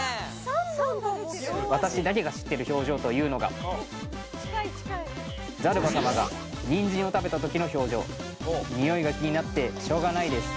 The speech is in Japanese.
私だけが知ってる表情というのがザルバ様がニンジンを食べた時の表情匂いが気になってしょうがないです